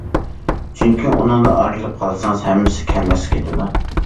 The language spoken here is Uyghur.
چۈنكى، ئۇنىڭدىن ئايرىلىپ قالسىڭىز، ھەممىسى كەلمەسكە كېتىدۇ.